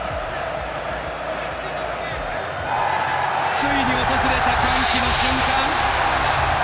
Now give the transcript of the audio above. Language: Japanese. ついに訪れた歓喜の瞬間！